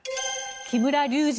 木村隆二